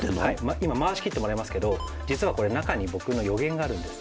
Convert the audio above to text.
今回しきってもらいますけど実はこれ中に僕の予言があるんです。